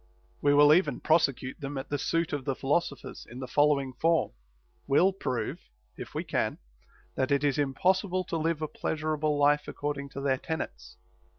* We will even prosecute them at the suit of the philoso phers, in the following form : We'll prove, if we can, that it is impossible to live a pleasurable life according to their tenets.